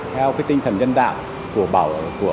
theo cái tinh thần nhân đạo của